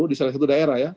di salah satu daerah ya